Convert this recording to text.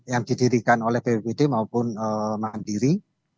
yang didirikan oleh bppd maupun mandiri